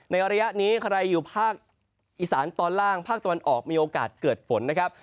ระยะนี้ใครอยู่ภาคอีสานตอนล่างภาคตะวันออกมีโอกาสเกิดฝนนะครับ